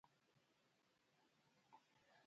ښتې د افغانستان د انرژۍ سکتور برخه ده.